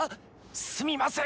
すみません！